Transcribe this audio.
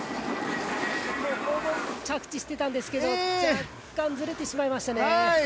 ほぼ着地してたんですけど若干、ずれてしまいましたね。